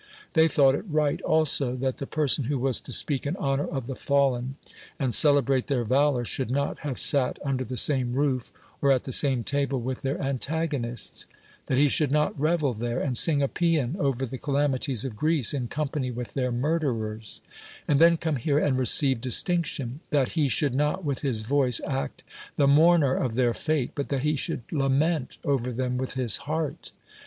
They thought it right also, that the person who was to speak in honor of the fallen and celebrate their valor should not have sat under the same roof or at the same table with their antagonists ; that he should not revel there and sing a p»an over the calamities of Greece in company with their murderers, and then come here and receive distinction ; that he should not with his voice act the mourner of their fate, but that he should lament over them with his heart.